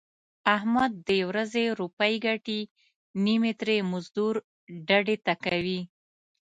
احمد د ورځې روپۍ ګټي نیمې ترې مزدور ډډې ته کوي.